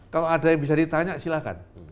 kalau ada yang bisa ditanya silahkan